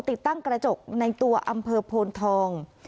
ติดตั้งกระจกในตัวอำเภอโพนทอง